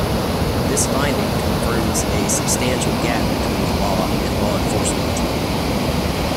This finding confirms a substantial gap between law and law enforcement.